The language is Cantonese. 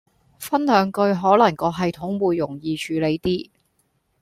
分兩句可能個系統會容易處理啲